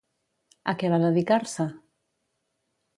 A què va dedicar-se?